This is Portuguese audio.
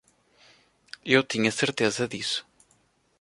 Eu tinha certeza disso.